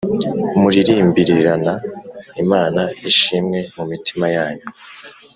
muririmbirirana Imana ishimwe mu mitima yanyu